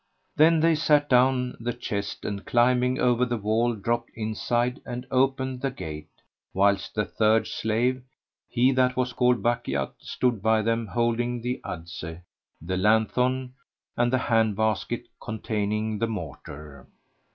"[FN#89] Then they set down the chest and climbing over the wall dropped inside and opened the gate, whilst the third slave (he that was called Bukhayt) stood by them holding the adze, the lanthorn and the hand basket containing the mortar.